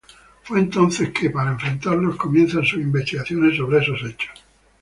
Fue entonces que, para enfrentarlos, comienzan sus investigaciones sobre esos hechos.